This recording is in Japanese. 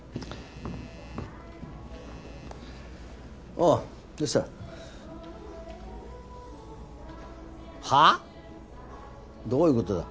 おうどうした？はあ！？どういう事だ？